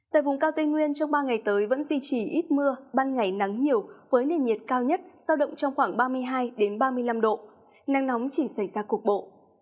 tại vùng cao tây nguyên trong ba ngày tới vẫn duy trì ít mưa ban ngày nắng nhiều với nền nhiệt cao nhất sao động trong khoảng ba mươi hai ba mươi năm độ nắng nóng chỉ xảy ra cục bộ